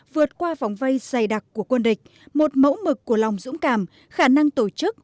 vượt qua vòng vây dày đặc của quân địch một mẫu mực của lòng dũng cảm khả năng tổ chức